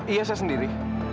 iya saya sendiri